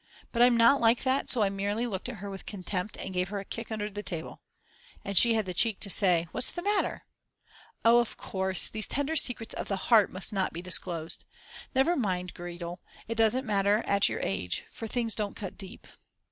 But I'm not like that so I merely looked at her with contempt and gave her a kick under the table. And she had the cheek to say: "What's the matter? Oh, of course these tender secrets of the heart must not be disclosed. Never mind Gretl, it does not matter at your age, for things don't cut deep."